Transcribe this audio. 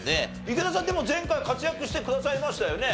池田さんでも前回活躍してくださいましたよね。